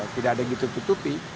tidak ada gitu tutupi